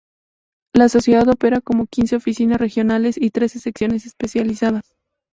La Sociedad opera con quince oficinas regionales y trece secciones especializadas.